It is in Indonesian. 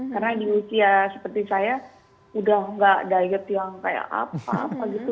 karena di usia seperti saya udah gak diet yang kayak apa apa gitu